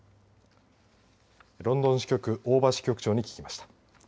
ロンドン支局大庭支局長に聞きました。